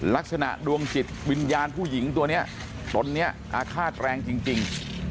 ลักษณะดวงจิตวิญญาณผู้หญิงตัวนี้ตนนี้อาฆาตแรงจริง